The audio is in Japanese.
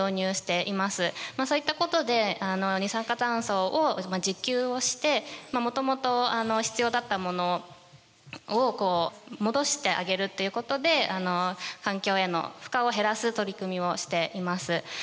そういったことで二酸化炭素を自給をしてもともと必要だったものをこう戻してあげるということで環境への負荷を減らす取り組みをしています。